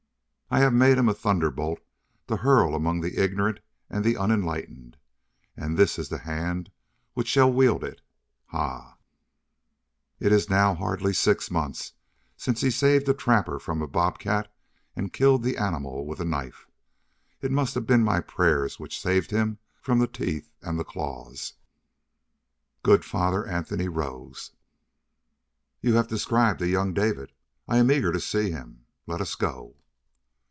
I have made him a thunderbolt to hurl among the ignorant and the unenlightened; and this is the hand which shall wield it. Ha! "It is now hardly a six month since he saved a trapper from a bobcat and killed the animal with a knife. It must have been my prayers which saved him from the teeth and the claws." Good Father Anthony rose. "You have described a young David. I am eager to see him. Let us go."